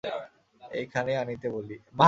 এইখানেই আনিতে বলি?